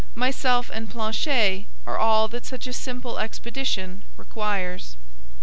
Myself and Planchet are all that such a simple expedition requires."